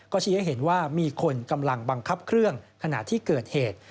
ชี้ให้เห็นว่ามีคนกำลังบังคับเครื่องขณะที่เกิดเหตุ